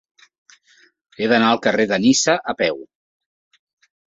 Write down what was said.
He d'anar al carrer de Niça a peu.